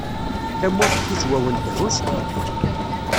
Tamurt n Yizwawen tehhuski.